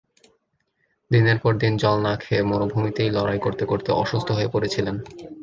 দিনের পর দিন জল না খেয়ে মরুভূমিতে লড়াই করতে করতে অসুস্থ হয়ে পড়েছিলেন।